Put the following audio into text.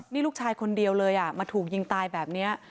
นี่ลูกชายคนเดียวเลยมาถูกยิงตายแบบนี้